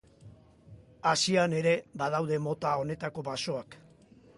Asian ere badaude mota honetako basoak.